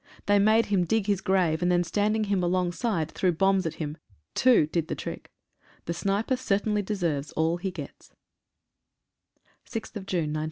They made him dig his grave, and then standing him alongside threw bombs at him. Two did the trick. The sniper certainly deserves all he gets. <8> SS «• 6/6/15.